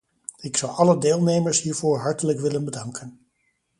Ik zou alle deelnemers hiervoor hartelijk willen bedanken.